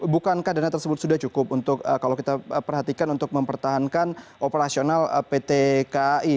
bukankah dana tersebut sudah cukup untuk kalau kita perhatikan untuk mempertahankan operasional pt kai